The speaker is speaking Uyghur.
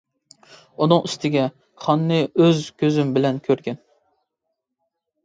ئۇنىڭ ئۈستىگە، خاننى ئۆز كۆزۈم بىلەن كۆرگەن.